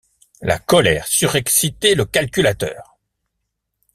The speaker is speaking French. La colère surexcitait le calculateur.